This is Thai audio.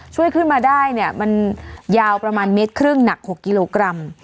ช่วยขึ้นมาได้เนี่ยมันยาวประมาณเมตรครึ่งหนัก๖กิโลกรัม